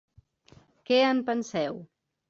Què en penseu?